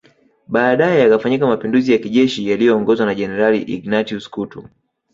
Baadae yakafanyika Mapinduzi ya kijeshi yaliyoongozwa na Jenerali Ignatius Kutu